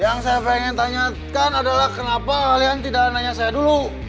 yang saya pengen tanyakan adalah kenapa kalian tidak nanya saya dulu